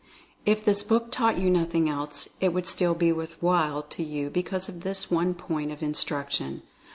If this book taught you nothing else, it would still be "worth while" to you because of this one point of instruction.